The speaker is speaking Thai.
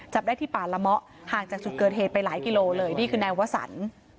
จับได้ที่ป่าละเมาะห่างจากจุดเกิดเหตุไปหลายกิโลเลยนี่คือนายวสัน